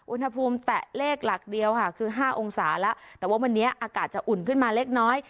แตะเลขหลักเดียวค่ะคือ๕องศาแล้วแต่ว่าวันนี้อากาศจะอุ่นขึ้นมาเล็กน้อย